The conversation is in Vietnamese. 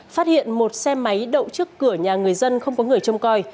phát hiện một xe máy đậu trước cửa nhà người dân không có người trông coi